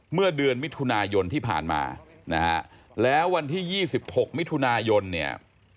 เมื่อเดือนมิถุนายนที่ผ่านมานะฮะแล้ววันที่๒๖มิถุนายนเนี่ย